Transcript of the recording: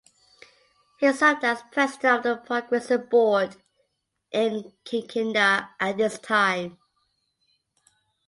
He served as president of the Progressive board in Kikinda at this time.